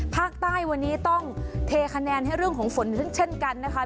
ภาคใต้วันนี้ต้องเทคะแนนให้เรื่องของฝนเช่นกันนะคะ